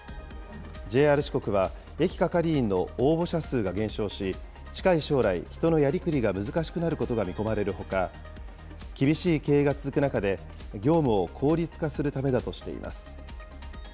ＪＲ四国は、駅係員の応募者数が減少し、近い将来、人のやりくりが難しくなることが見込まれるほか、厳しい経営が続く中で、業務を効率化するためだとしています。